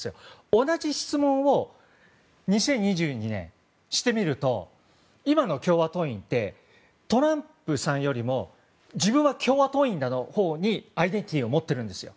同じ質問を２０２２年、してみると今の共和党員ってトランプさんよりも自分は共和党員だにアイデンティティーを持っているんです。